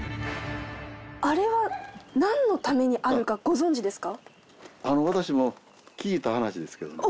あれは何のためにあるかご存じですか？